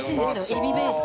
エビベース。